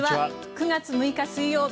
９月６日水曜日